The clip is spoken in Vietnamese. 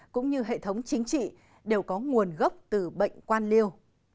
cũng như hệ thống chính trị đều có nguồn gốc từ bệnh quan liêu